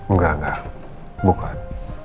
enggak enggak bukan